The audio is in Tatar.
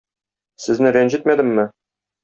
Сезне рәнҗетмәдемме?